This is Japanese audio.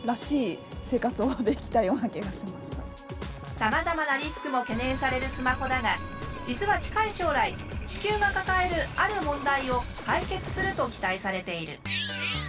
さまざまなリスクも懸念されるスマホだが実は近い将来地球が抱えるある問題を解決すると期待されている。